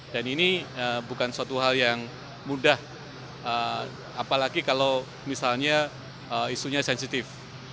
dan ini bukan suatu hal yang mudah apalagi kalau misalnya isunya sensitif